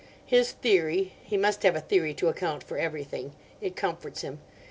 His theory (he must have a theory to account for everything; it comforts him.